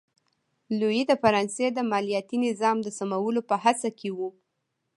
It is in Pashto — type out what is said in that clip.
لويي د فرانسې د مالیاتي نظام د سمولو په هڅه کې و.